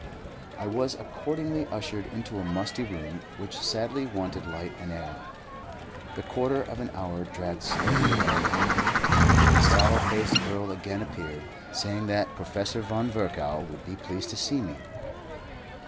I was accordingly ushered into a musty room, which sadly wanted light and air. The quarter of an hour dragged slowly away, when the sallow faced girl again appeared, saying that Professor Von Virchow would be pleased to see me.